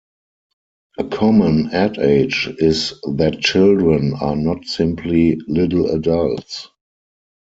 A common adage is that children are not simply "little adults".